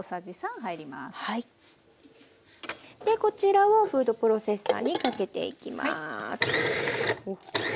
こちらをフードプロセッサーにかけていきます。